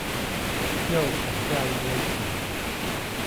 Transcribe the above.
又省掉一堆錢